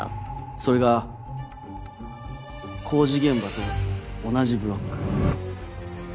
それが工事現場と同じブロック。